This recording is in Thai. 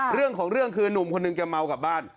เรื่องของเรื่องคือนุ่มคนหนึ่งแกเมากลับบ้าน